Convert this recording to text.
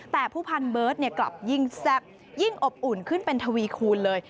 แต่ผู้พันเบิร์ตกลับยิ่งแซ่บยิ่งอบอุ่นขึ้นเป็นทวีคูณเลย